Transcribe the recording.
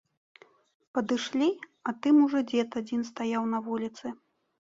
Падышлі, а тым ужо дзед адзін стаяў на вуліцы.